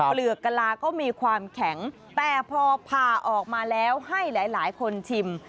เปลือกกะลาก็มีความแข็งแต่พอผ่าออกมาแล้วให้หลายคนชิม